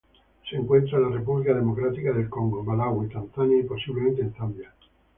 Se encuentra en la República Democrática del Congo, Malaui, Tanzania y, posiblemente en Zambia.